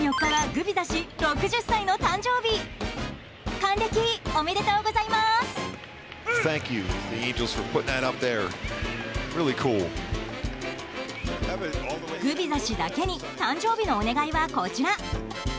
グビザ氏だけに誕生日のお願いはこちら。